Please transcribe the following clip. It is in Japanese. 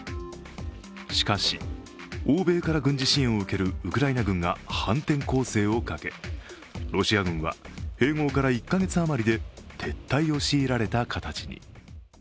しかし、欧米から軍事支援を受けるウクライナ軍が反転攻勢をかけロシア軍は併合から１か月余りで撤退を強いられた形に。